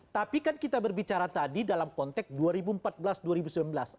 tapi kan kita berbicara tadi dalam konteks dua ribu empat belas